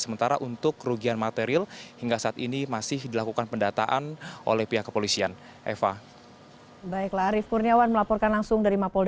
sementara untuk kerugian material hingga saat ini masih dilakukan pendataan oleh pihak kepolisian